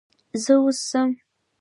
زه اوس ځم .